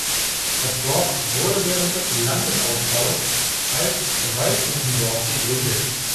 Das Dorf wurde während des Landesausbaus als Waldhufendorf gegründet.